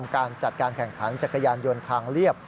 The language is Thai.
การแข่งขันจักรยานยนต์คางเรียบ